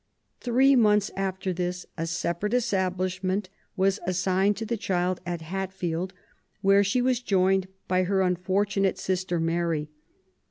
Three months after this a separate establishment was assigned to the child at Hatfield, where she was joined by her unfortunate sister Mary.